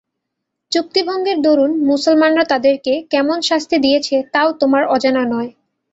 চুক্তিভঙ্গের দরুন মুসলমানরা তাদেরকে কেমন শাস্তি দিয়েছে তাও তোমার অজানা নয়।